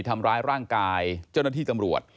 ทำร้ายร่างกายเจ้าหน้าที่ตำรวจ